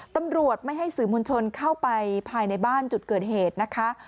ตำรวจไม่ให้สื่อมวลชนเข้าไปภายในบ้านจุดเกิดเหตุนะคะ